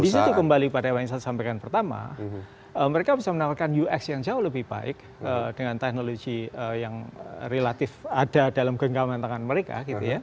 dan disitu kembali pada yang saya sampaikan pertama mereka bisa menawarkan ux yang jauh lebih baik dengan teknologi yang relatif ada dalam genggaman tangan mereka